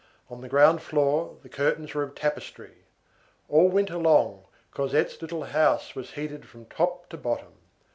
On the ground floor, the curtains were of tapestry. All winter long, Cosette's little house was heated from top to bottom.